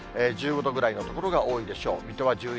１５度ぐらいの所が多いでしょう。